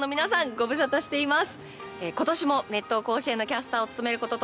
ご無沙汰しています。